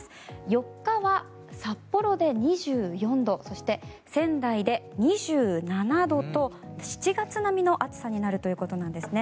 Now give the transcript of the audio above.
４日は札幌で２４度そして、仙台で２７度と７月並みの暑さになるということなんですね。